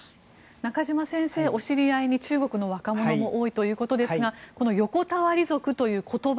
中嶋先生、お知り合いに中国の若者も多いということですがこの横たわり族という言葉